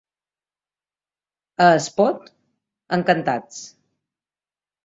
A Espot, encantats.